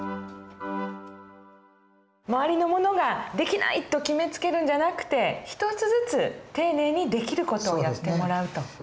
周りの者ができないと決めつけるんじゃなくて一つずつ丁寧にできる事をやってもらうと。